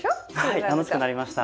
はい楽しくなりました。